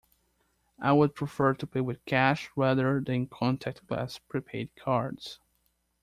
I would prefer to pay with cash rather than contactless prepaid cards.